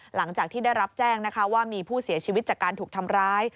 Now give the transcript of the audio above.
หลังจากที่ได้รับแจ้งนะคะว่ามีผู้เสียชีวิตจากการถูกทำร้าย